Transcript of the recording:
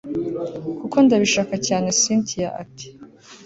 kuko ndabishaka cyane cyntia ati